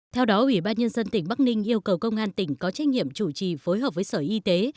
theo đó ủy ban nhân dân tỉnh bắc ninh yêu cầu công an tỉnh có trách nhiệm chủ trì phối hợp với sở y tế